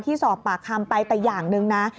สอบปากคำไปแต่อย่างหนึ่งนะ